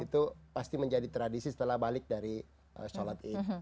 itu pasti menjadi tradisi setelah balik dari sholat id